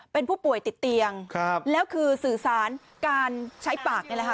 เป็นผู้ป่วยติดเตียงแล้วคือสื่อสารการใช้ปากนี่แหละค่ะ